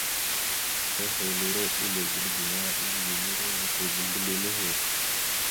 Ehelire eligeɗ gaŋa, ezigelire vuto ga mbile nehe.